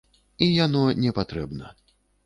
І яно не патрэбна.